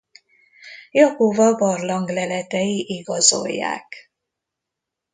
Jakova barlang leletei igazolják.